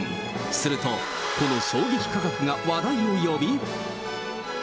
すると、この衝撃価格が話題を呼び。